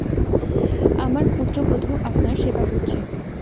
আমার পুত্রবধূ আপনার সেবা করছে।